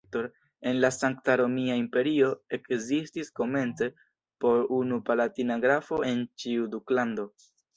En la Sankta Romia Imperio ekzistis komence po unu palatina grafo en ĉiu duklando.